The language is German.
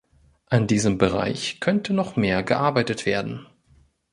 An diesem Bereich könnte noch mehr gearbeitet werden.